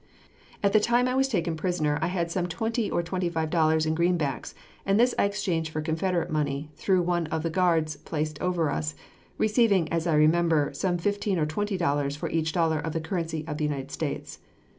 At the time I was taken prisoner I had some twenty or twenty five dollars in greenbacks, and this I exchanged for Confederate money, through one of the guard placed over us, receiving, as I remember, some fifteen or twenty dollars for each dollar of the currency of the United States.